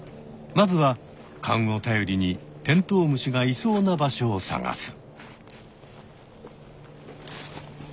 まずはかんをたよりにテントウムシがいそうな場所を探す。